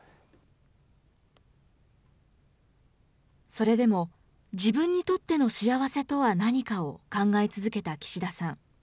それでも、自分にとっての幸せとは何かを考え続けた岸田さん。